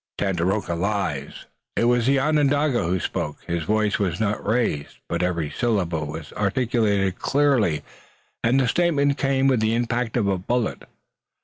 "Tandakora lies!" It was the Onondaga who spoke. His voice was not raised, but every syllable was articulated clearly, and the statement came with the impact of a bullet.